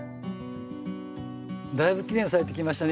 だいぶきれいに咲いてきましたね